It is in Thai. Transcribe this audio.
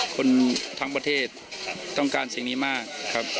คนทั้งประเทศต้องการสิ่งนี้มากครับ